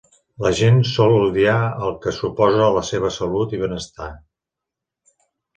La gent sol odiar al que s'oposa a la seva salut i benestar.